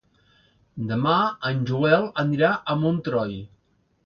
Demà en Joel anirà a Montroi.